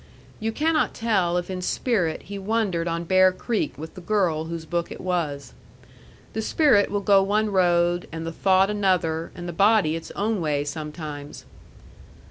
You cannot tell if in spirit he wandered on Bear Creek with the girl whose book it was. The spirit will go one road, and the thought another, and the body its own way sometimes.